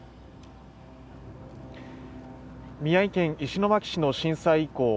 宮城県石巻市の震災遺構